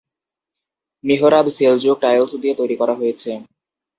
মিহরাব Seljuk tiles দিয়ে তৈরি করা হয়েছে।